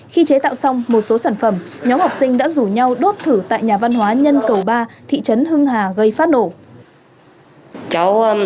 khi chế tạo xong một số sản phẩm nhóm học sinh đã rủ nhau đốt thử tại nhà văn hóa nhân cầu ba thị trấn hưng hà gây phát nổ